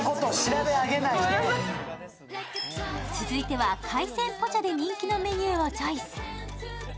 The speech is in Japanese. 続いては海鮮ポチャで人気のメニューをチョイス。